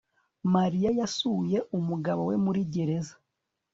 Mariya yasuye umugabo we muri gereza